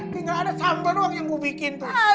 tinggal ada sambal doang yang gua bikin